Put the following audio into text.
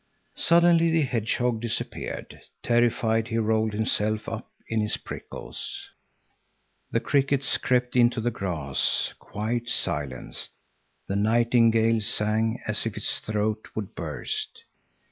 Suddenly the hedgehog disappeared, terrified he rolled himself up in his prickles. The crickets crept into the grass, quite silenced. The nightingale sang as if its throat would burst.